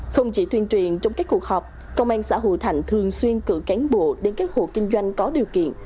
không chỉ tuyên truyền trong các cuộc họp công an xã hồ thạnh thường xuyên cử cánh bộ đến các hồ kinh doanh có điều kiện